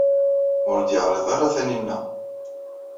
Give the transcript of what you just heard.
Ur d-yeɛriḍ ara Taninna.